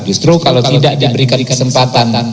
justru kalau tidak diberikan kesempatan